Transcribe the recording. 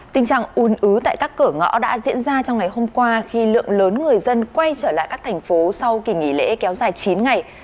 tình trạng un ứ tại các cửa ngõ đã diễn ra trong ngày hôm qua khi lượng lớn người dân quay trở lại các thành phố sau kỳ nghỉ lễ kéo dài chín ngày